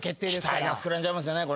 期待が膨らんじゃいますよね。